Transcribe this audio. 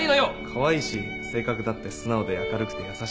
かわいいし性格だって素直で明るくて優しくて。